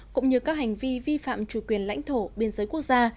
cũng như các hành vi vi phạm chủ quyền lãnh thổ biên giới quốc gia